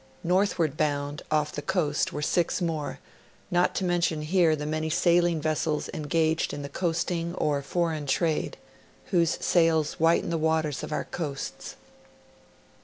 Northward bound, off the coast, were six more, not to mention here the many sailing vessels engaged in the coasting^or foreign ti'ade, whose sails whiten the waters of our coasts.